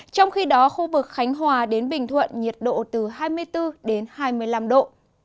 trong khi đó khu vực khánh hòa đến bình thuận nhiệt độ từ hai mươi bốn hai mươi năm độ